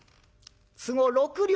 都合６両